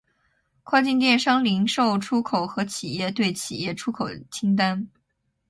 跨境电商零售出口和企业对企业出口清单